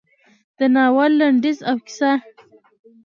د ناول لنډیز او کیسه: